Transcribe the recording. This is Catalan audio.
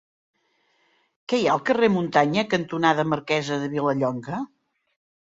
Què hi ha al carrer Muntanya cantonada Marquesa de Vilallonga?